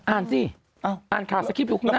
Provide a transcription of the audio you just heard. อ่านสิอ่านข่าวสคริปดูข้างหน้า